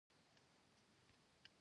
تجارت وکړئ